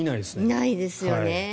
ないですよね。